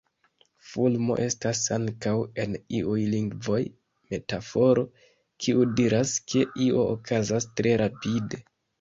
Fulmo estas ankaŭ en iuj lingvoj metaforo, kiu diras ke io okazas tre rapide.